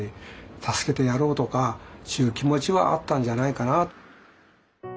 助けてやろうとかっちゅう気持ちはあったんじゃないかな。